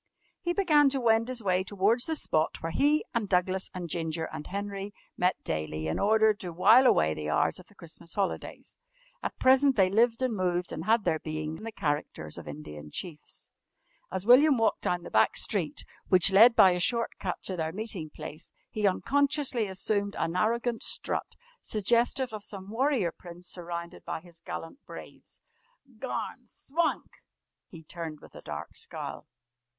He began to wend his way towards the spot where he, and Douglas, and Ginger, and Henry met daily in order to wile away the hours of the Christmas holidays. At present they lived and moved and had their being in the characters of Indian Chiefs. As William walked down the back street, which led by a short cut to their meeting place, he unconsciously assumed an arrogant strut, suggestive of some warrior prince surrounded by his gallant braves. "Garn! Swank!" He turned with a dark scowl.